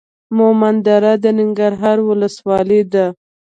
مومندره د ننګرهار ولسوالۍ ده.